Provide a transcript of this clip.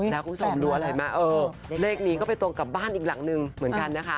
แล้วคุณผู้ชมรู้อะไรไหมเออเลขนี้ก็ไปตรงกับบ้านอีกหลังนึงเหมือนกันนะคะ